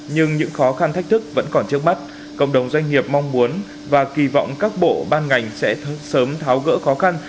nhưng những khó khăn thách thức vẫn còn trước mắt cộng đồng doanh nghiệp mong muốn và kỳ vọng các bộ ban ngành sẽ sớm tháo gỡ khó khăn